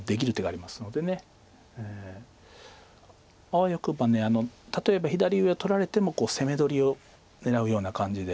あわよくば例えば左上を取られても攻め取りを狙うような感じで。